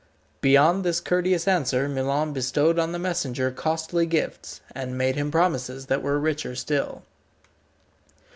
Beyond this courteous answer Milon bestowed on the messenger costly gifts, and made him promises that were richer still.